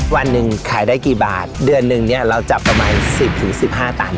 วันหนึ่งขายได้กี่บาทเดือนหนึ่งเนี่ยเราจับประมาณ๑๐๑๕ตัน